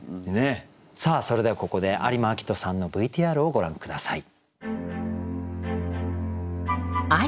それではここで有馬朗人さんのＶＴＲをご覧下さい。